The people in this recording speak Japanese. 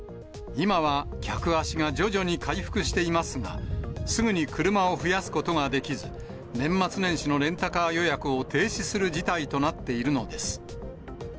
今は客足が徐々に回復していますが、すぐに車を増やすことができず、年末年始のレンタカー予約を停止する事態となっているのです。